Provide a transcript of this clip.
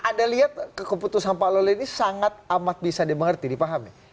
anda lihat keputusan pak loli ini sangat amat bisa dimengerti dipahami